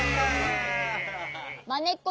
まねっこ